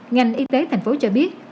ngành y tế tp hcm cho biết